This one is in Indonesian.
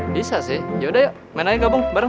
bisa sih yaudah yuk main aja gabung bareng